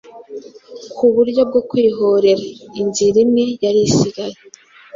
ku buryo bwo kwihorera. Inzira imwe yari isigaye